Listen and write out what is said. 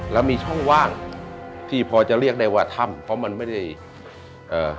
แล้วมีช่องว่างที่พอจะเรียกได้ว่าถ้ำเพราะมันไม่ได้เอ่อ